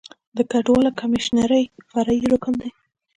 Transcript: د کډوالو کمیشنري فرعي رکن دی.